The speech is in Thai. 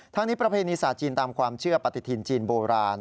ทั้งนี้ประเพณีศาสตร์จีนตามความเชื่อปฏิทินจีนโบราณ